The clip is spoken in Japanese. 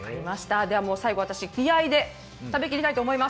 では、最後は気合いで食べきりたいと思います。